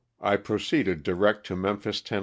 1 pro ceeded direct to Memphis, Tenn.